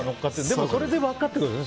でもこれで分かってくるんですよ